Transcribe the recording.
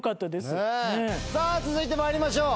さぁ続いてまいりましょう。